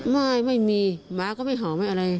ไม่ไม่มีหมาก็ไม่เห่าอะไร